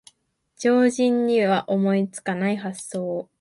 常人には思いつかない発想